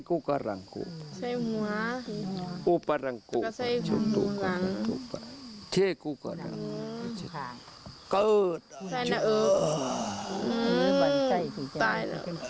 ขึ้นสายด้วย